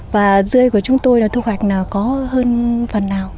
và rươi của chúng tôi thu hoạch là có hơn phần nào